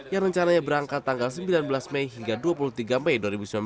yang rencananya berangkat tanggal sembilan belas mei hingga dua puluh tiga mei dua ribu sembilan belas